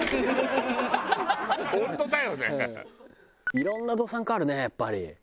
いろんなどさん子あるねやっぱり。